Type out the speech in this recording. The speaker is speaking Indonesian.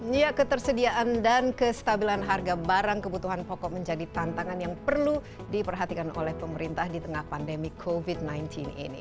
ya ketersediaan dan kestabilan harga barang kebutuhan pokok menjadi tantangan yang perlu diperhatikan oleh pemerintah di tengah pandemi covid sembilan belas ini